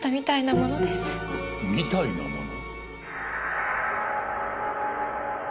みたいなもの？